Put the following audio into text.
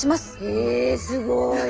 えすごい。